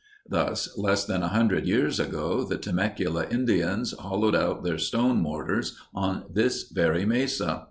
Thus, less than a hundred years ago, the Temecula Indians hollowed out their stone mortars on this very mesa.